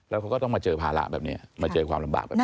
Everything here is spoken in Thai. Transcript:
แล้วเขาก็ต้องมาเจอภาระแบบนี้มาเจอความลำบากแบบนี้